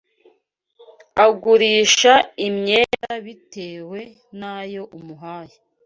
agurisha imyenda bitewe nayo umuhaye